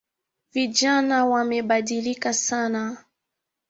Vijana wamebadilika sana